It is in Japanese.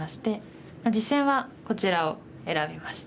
実戦はこちらを選びました。